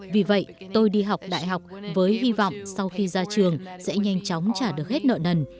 vì vậy tôi đi học đại học với hy vọng sau khi ra trường sẽ nhanh chóng trả được hết nợ nần